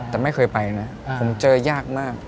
แต่ไม่เคยไปนะผมเจอยากมาก